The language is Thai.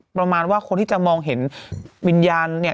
ประมาณว่าคนที่จะมองเห็นวิญญาณเนี่ย